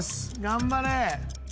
頑張れ。